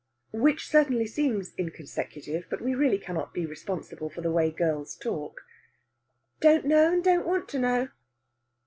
Which certainly seems inconsecutive, but we really cannot be responsible for the way girls talk. "Don't know, and don't want to know.